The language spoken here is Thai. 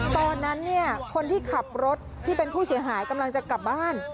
ตอนนั้นเนี่ยคนที่ขับรถที่เป็นผู้เสียหายกำลังจะกลับบ้าน